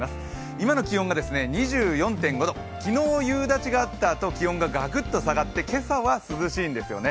今の気温が２４．５度昨日夕立があったあと、気温がガクッと下がって、今朝は涼しいんですよね。